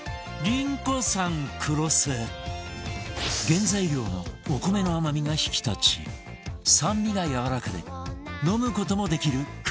原材料のお米の甘みが引き立ち酸味がやわらかで飲む事もできる黒酢